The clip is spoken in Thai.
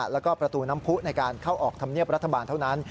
แล้วก็ประตูน้ำผู้ในการเข้าออกธรรมเนียบรัฐบาลเท่านั้น